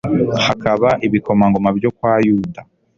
hakaba ibikomangoma byo kwa yuda